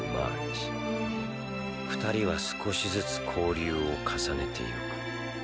２人は少しずつ交流を重ねていく。